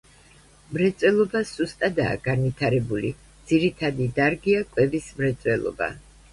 მრეწველობა სუსტადაა განვითარებული, ძირითადი დარგია კვების მრეწველობა.